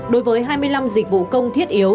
đối với hai mươi năm dịch vụ công thiết yếu